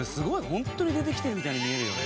ホントに出てきてるみたいに見えるよね。